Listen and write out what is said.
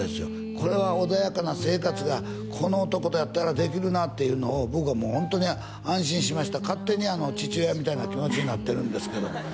これは穏やかな生活がこの男とやったらできるなっていうのを僕はもうホントに安心しました勝手に父親みたいな気持ちになってるんですけど